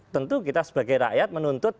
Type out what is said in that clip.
tentu kita sebagai rakyat menuntut